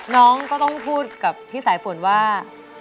น้องก็ต้องพูดกับพี่สายฝนว่า